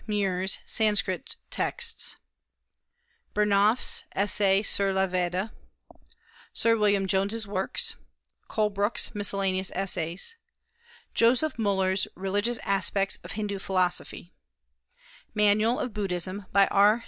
Muir's Sanskrit Texts; Burnouf's Essai sur la Vêda; Sir William Jones's Works; Colebrook's Miscellaneous Essays; Joseph Muller's Religious Aspects of Hindu Philosophy; Manual of Buddhism, by R.